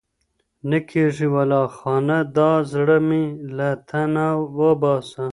نه كيږي ولا خانه دا زړه مـي لـه تن وبــاسـه